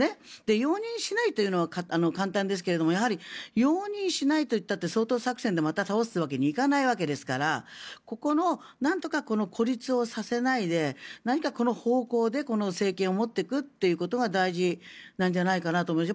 容認しないというのは簡単ですけどやはり、容認しないと言ったって掃討作戦でまた倒すわけにはいかないわけですからなんとか孤立させないで何かこの方向でこの政権を持っていくことが大事なんじゃないかなと思います。